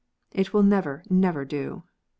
" It will never, never do !